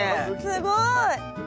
すごい。